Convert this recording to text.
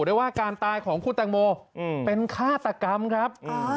ได้ว่าการตายของคุณแตงโมเป็นฆาตกรรมครับ